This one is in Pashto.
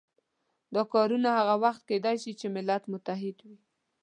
دا کارونه هغه وخت کېدای شي چې ملت متحد وي.